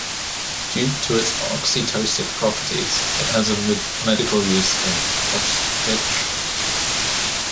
Due to its oxytocic properties, it has a medical use in obstetrics.